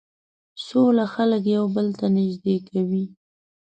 سوله خلک یو بل ته نژدې کوي.